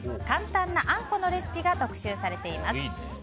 簡単なあんこのレシピが特集されています。